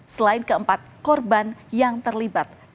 selain keempat korban yang terlibat